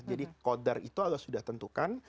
jadi qadar itu allah sudah tentukan